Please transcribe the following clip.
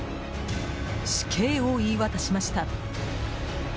死刑を言い渡しました。